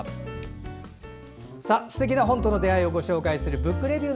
素敵な本との出会いをご紹介する「ブックレビュー」。